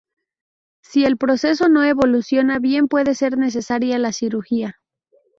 Si el proceso no evoluciona bien puede ser necesaria la cirugía.